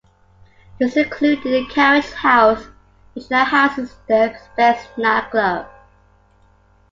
This included a carriage house which now houses the Apex Night Club.